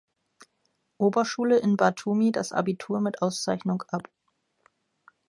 Oberschule in Batumi das Abitur mit Auszeichnung ab.